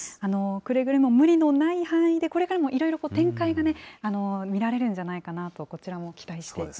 くれぐれも無理のない範囲で、これからもいろいろ展開が見られるんじゃないかなと、こちらも期待しています。